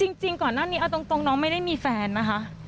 จริงก่อนหน้านี้เอาตรงน้องไม่ได้มีแฟนนะคะ